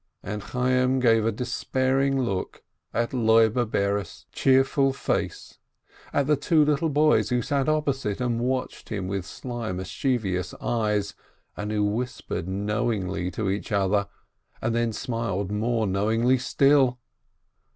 and Chayyim gave a despairing look at Loibe Bares' cheerful face, at the two little boys who sat opposite and watched him with sly, mischievous eyes, and who whispered knowingly to each other, and then smiled more knowingly still!